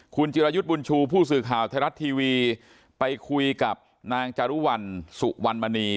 คุณจิรายุทธ์บุญชูผู้สื่อข่าวไทยรัฐทีวีไปคุยกับนางจารุวัลสุวรรณมณี